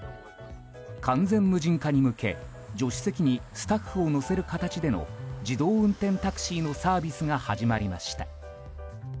完全無人化に向け助手席にスタッフを乗せる形での自動運転タクシーのサービスが始まりました。